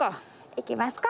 行きますか！